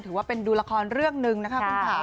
ถือว่าเป็นดูละครเรื่องหนึ่งนะครับคุณภาพ